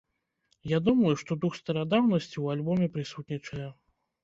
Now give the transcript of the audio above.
Я думаю, што дух старадаўнасці ў альбоме прысутнічае.